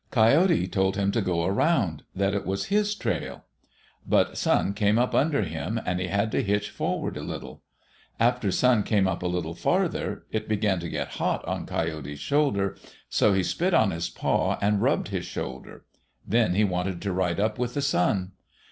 Coyote told him to go around; that it was his trail. But Sun came up under him and he had to hitch forward a little. After Sun came up a little farther, it began to get hot on Coyote's shoulder, so he spit on his paw and rubbed his shoulder. Then he wanted to ride up with the sun.